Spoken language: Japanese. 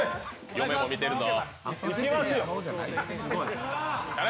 嫁も見てるぞ。